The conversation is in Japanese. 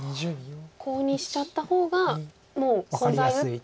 コウにしちゃった方がもうコウ材打って。